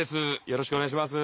よろしくお願いします。